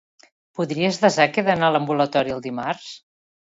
Podries desar que he d'anar a l'ambulatori el dimarts?